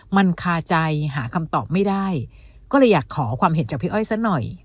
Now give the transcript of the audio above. มันคาใจหาคำตอบไม่ได้ก็เลยอยากขอความเห็นจากพี่อ้อยซะหน่อย